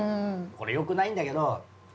これ良くないんだけど。